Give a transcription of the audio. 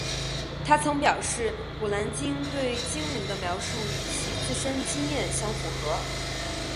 她曾表示古兰经对精灵的描述与其自身经验相符合。